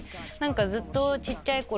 ずっとちっちゃいころ。